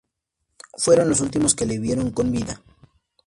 Fueron los últimos que le vieron con vida.